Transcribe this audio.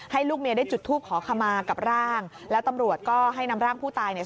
ลูกเมียได้จุดทูปขอขมากับร่างแล้วตำรวจก็ให้นำร่างผู้ตายเนี่ย